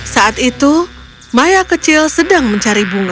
saat itu maya kecil sedang mencari bunga